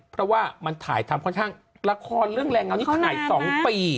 เพราะว่ามันถ่ายทำค่อนข้างละครเรื่องแรงเงานี้ถ่าย๒ปี